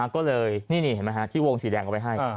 ก็เลยนี่ที่วงสีแดงเอาไว้ให้